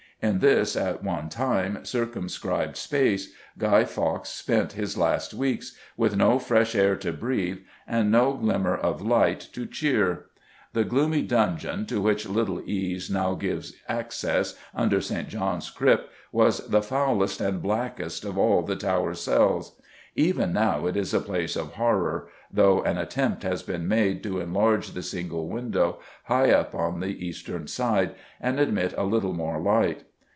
In this, at one time, circumscribed space, Guy Fawkes spent his last weeks, with no fresh air to breathe and no glimmer of light to cheer. The gloomy dungeon, to which Little Ease now gives access, under St. John's crypt, was the foulest and blackest of all the Tower cells. Even now it is a place of horror, though an attempt has been made to enlarge the single window, high up on the eastern side, and admit a little more light.